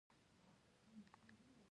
د موټر انجن پاک ساتل د اوږد عمر سبب دی.